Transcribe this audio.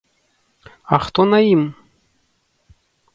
А хто на ім?